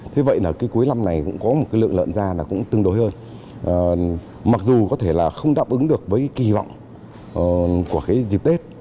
thế vậy là cuối năm này cũng có một lượng lợn ra tương đối hơn mặc dù có thể không đáp ứng được với kỳ vọng của dịp tết